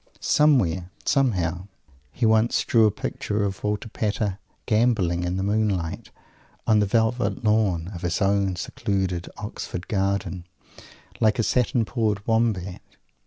Somewhere, somehow, he once drew a picture of Walter Pater "gambolling," in the moonlight, on the velvet lawn of his own secluded Oxford garden, like a satin pawed Wombat!